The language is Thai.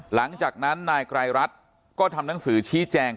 หลังจากนั้นนายไกรรัฐก็ทำหนังสือชี้แจง